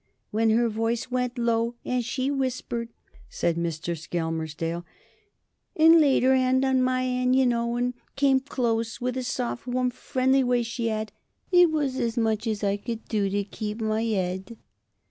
"When her voice went low and she whispered," said Mr. Skelmersdale, "and laid 'er 'and on my 'and, you know, and came close with a soft, warm friendly way she 'ad, it was as much as I could do to keep my 'ead."